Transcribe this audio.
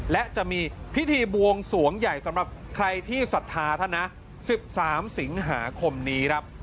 และจะมีพิธีบวงสวงใหญ่สำหรับใครที่ศรัทธาท่านนะ๑๓สิงหาคมนี้ครับ